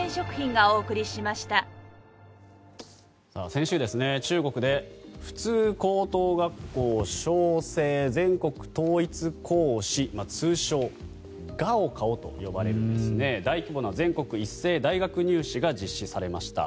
先週、中国で普通高等学校招生全国統一考試通称・高考と呼ばれる大規模な全国一斉大学入試が実施されました。